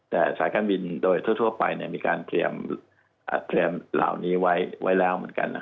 แต่สายการบินโดยทั่วไปมีการเตรียมเหล่านี้ไว้แล้วเหมือนกัน